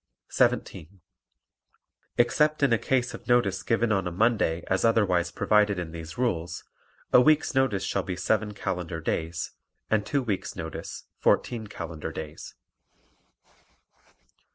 17. Except in a case of notice given on Monday as otherwise provided in these rules, a week's notice shall be seven calendar days and two weeks' notice fourteen calendar days.